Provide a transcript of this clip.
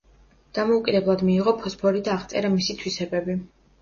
დამოუკიდებლად მიიღო ფოსფორი და აღწერა მისი თვისებები.